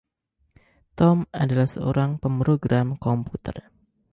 Tom adalah seorang pemrogram komputer.